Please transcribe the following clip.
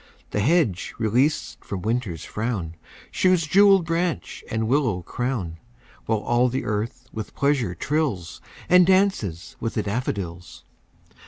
The hedge released from Winter's frown Shews jewelled branch and willow crown; While all the earth with pleasure trills, And 'dances with the daffodils.